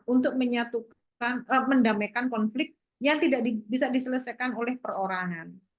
untuk mendamaikan konflik yang tidak bisa diselesaikan oleh perorangan